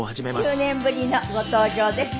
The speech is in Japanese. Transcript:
９年ぶりのご登場です。